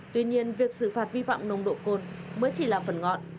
tuy nhiên việc xử phạt vi phạm nồng độ cồn mới chỉ là phần ngọn